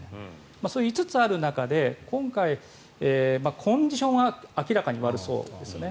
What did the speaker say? そういう５つある中で今回、コンディションは明らかに悪そうですよね。